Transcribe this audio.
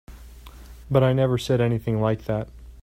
But I never said anything like that.